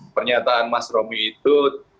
pernyataan mas romi itu